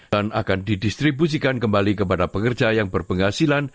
dan akan didistribusikan kembali kepada pekerja yang berpenghasilan